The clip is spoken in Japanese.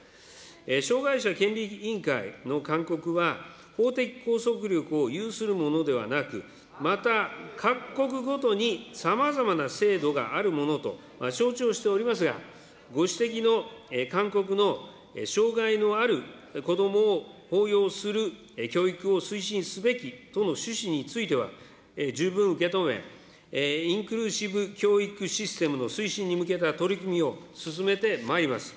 障害者権利委員会の勧告は、法的拘束力を有するものではなく、また各国ごとにさまざまな制度があるものと承知をしておりますが、ご指摘の勧告の障害のある子どもを包容する教育を推進すべきとの趣旨については、十分受け止め、インクルーシブ教育システムの推進に向けた取り組みを進めてまいります。